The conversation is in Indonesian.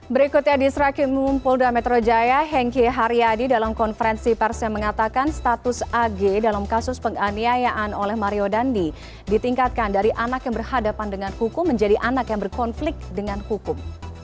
berikutnya diseraki mumpul dalam metro jaya hengkiharyadi dalam konferensi persen mengatakan status ag dalam kasus penganiayaan oleh mario dandi ditingkatkan dari anak yang berhadapan dengan hukum menjadi anak yang berkonflik dengan hukum